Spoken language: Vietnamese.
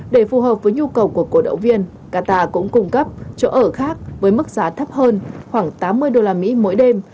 để phù hợp với nhu cầu của cổ động viên qatar cũng cung cấp chỗ ở khác với mức giá thấp hơn khoảng tám mươi usd mỗi đêm